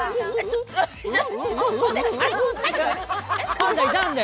パンダいたんで。